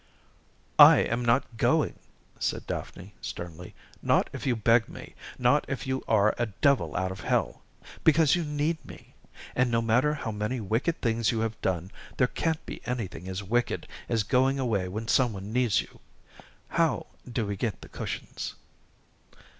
"I am not going," said Daphne sternly. "Not if you beg me. Not if you are a devil out of hell. Because you need me. And no matter how many wicked things you have done, there can't be anything as wicked as going away when some one needs you. How do we get the cushions?"